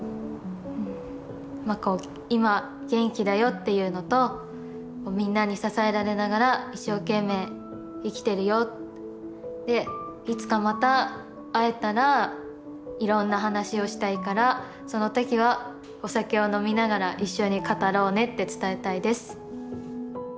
今元気だよっていうのとみんなに支えられながら一生懸命生きてるよでいつかまた会えたらいろんな話をしたいからその時はお酒を飲みながら一緒に語ろうねって伝えたいです。